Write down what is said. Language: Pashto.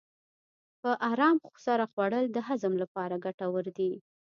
په ارام سره خوړل د هضم لپاره ګټور دي.